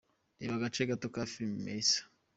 Reba agace gato ka filimi Melissa:.